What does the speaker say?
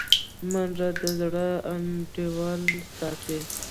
منډه د زړه انډول ساتي